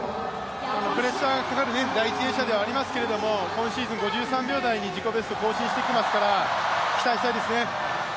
プレッシャーがかかる第１泳者ではありますけど今シーズン５３秒台に自己ベストを更新してきていますから、期待したいですね。